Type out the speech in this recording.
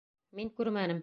Мин күрмәнем.